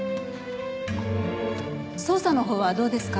捜査のほうはどうですか？